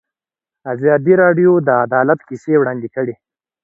ازادي راډیو د عدالت کیسې وړاندې کړي.